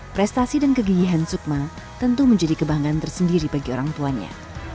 prestasi dan kegigihan sukma tentu menjadi kebanggaan tersendiri bagi orang tuanya